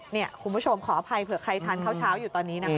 นี่คุณผู้ชมขออภัยเผื่อใครทานข้าวเช้าอยู่ตอนนี้นะคะ